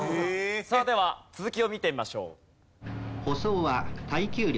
さあでは続きを見てみましょう。